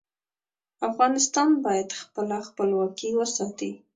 افغانستان باید خپله خپلواکي وساتي.